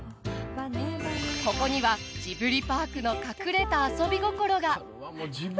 ここにはジブリパークの隠れた遊び心が。